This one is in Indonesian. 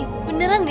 beneran ini orangnya